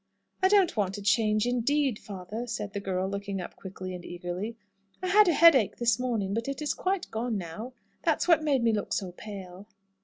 "I don't want a change, indeed, father," said the girl, looking up quickly and eagerly. "I had a headache this morning, but it is quite gone now. That's what made me look so pale."